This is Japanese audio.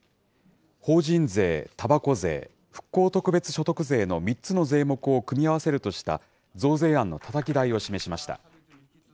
法人税、たばこ税、復興特別所得税の３つの税目を組み合わせるとした増税案のたたき台を示しました。